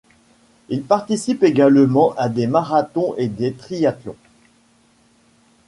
Il participe également à des marathons et des triathlons.